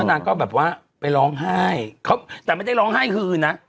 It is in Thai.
นางก็แบบว่าไปร้องไห้แต่ไม่ได้ร้องไห้คือนะ